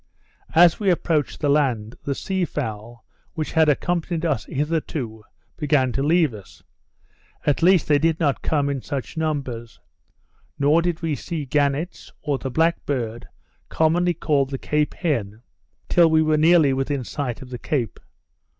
As we approached the land, the sea fowl, which had accompanied us hitherto, began to leave us; at least they did not come in such numbers. Nor did we see gannets, or the black bird, commonly called the Cape Hen, till we were nearly within sight of the Cape.